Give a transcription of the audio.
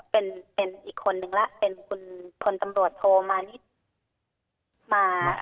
เป็นอีกคนนึงล่ะเป็นคนตำรวจโทรมา